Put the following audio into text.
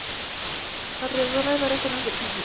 Alrededor hay varias zonas de picnic.